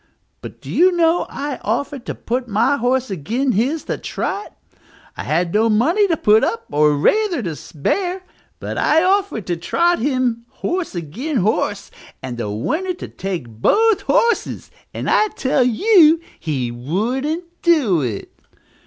But do you know I offered to put my horse agin' his to trot? I had no money to put up, or rayther, to spare; but I offered to trot him, horse agin' horse, and the winner to take both horses, and I tell you _he wouldn't do it!